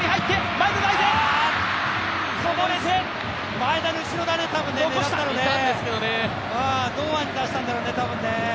前田の後ろ、狙ったんだろうね、堂安に出したんだろうね、多分ね。